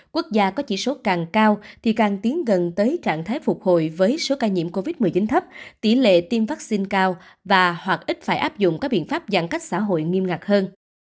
quốc gia có chỉ số càng cao thì càng tiến gần tới trạng thái phục hồi với số ca nhiễm covid một mươi chín thấp tỷ lệ tiêm vaccine cao và hoặc ít phải áp dụng các biện pháp giãn cách xã hội nghiêm ngặt hơn